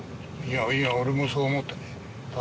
いや俺もそう思ったね。